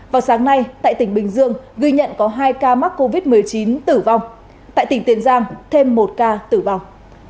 vào sáng nay tại tỉnh bình dương ghi nhận có hai ca mắc covid một mươi chín tử vong tại tỉnh tiền giang thêm một ca tử vong